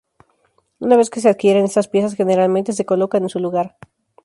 Una vez que se adquieren estas piezas, generalmente se colocan en su lugar.